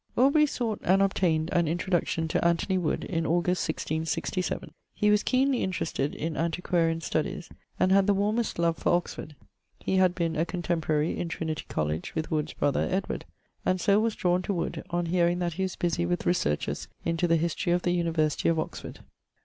Aubrey sought and obtained an introduction to Anthony Wood in August 1667. He was keenly interested in antiquarian studies, and had the warmest love for Oxford; he had been a contemporary in Trinity College with Wood's brother, Edward; and so was drawn to Wood on hearing that he was busy with researches into the History of the University of Oxford.